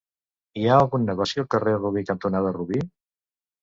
Hi ha algun negoci al carrer Robí cantonada Robí?